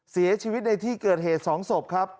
เสียชีวิตในที่เกิดเหตุ๒ศพครับ